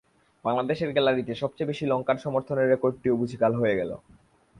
বাংলাদেশের গ্যালারিতে সবচেয়ে বেশি লঙ্কান সমর্থনের রেকর্ডটিও বুঝি কাল হয়ে গেল।